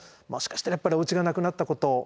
もしかしたらやっぱりおうちがなくなったこと。